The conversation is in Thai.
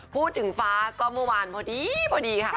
ฟ้าก็เมื่อวานพอดีพอดีค่ะ